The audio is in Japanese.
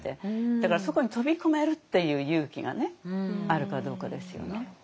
だからそこに飛び込めるっていう勇気があるかどうかですよね。